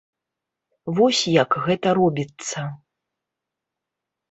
Вось як гэта робіцца.